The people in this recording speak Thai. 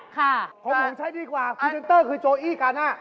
ของผมใช้ดีกว่าพรีเซนเตอร์คือโจอี้กัน